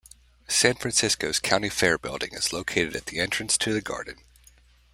San Francisco's County Fair Building is located at the entrance to the garden.